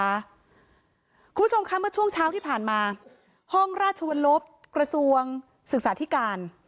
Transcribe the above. คุณผู้ชมคะเมื่อช่วงเช้าที่ผ่านมาห้องราชวรลบกระทรวงศึกษาธิการ